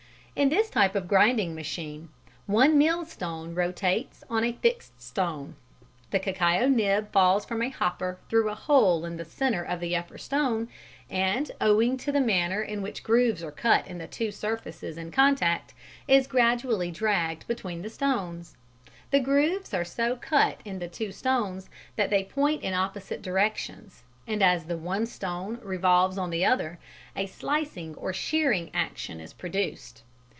In this type of grinding machine one mill stone rotates on a fixed stone. The cacao nib falls from a hopper through a hole in the centre of the upper stone and, owing to the manner in which grooves are cut in the two surfaces in contact, is gradually dragged between the stones. The grooves are so cut in the two stones that they point in opposite directions, and as the one stone revolves on the other, a slicing or shearing action is produced.